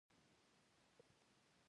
پټه خبره تر غوږه رسېږي.